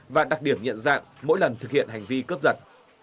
và đặc điểm nhận dạng mỗi lần thực hiện hành vi cướp giật